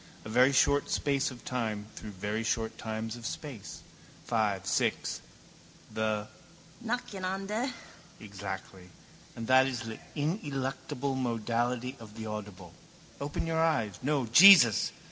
A very short space of time through very short times of space. Five, six: the nacheinander. Exactly: and that is the ineluctable modality of the audible. Open your eyes. No. Jesus!